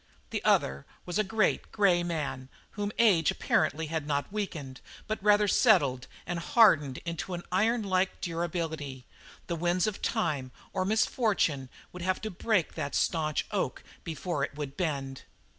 The other was a great, grey man whom age apparently had not weakened but rather settled and hardened into an ironlike durability; the winds of time or misfortune would have to break that stanch oak before it would bend.